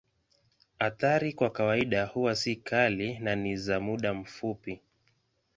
Athari kwa kawaida huwa si kali na ni za muda mfupi.